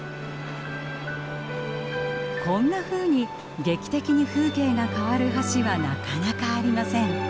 こんなふうに劇的に風景が変わる橋はなかなかありません。